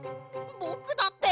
ぼくだって！